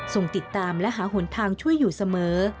ส่งติดตามและหาหนทางช่วยอยู่เสมอ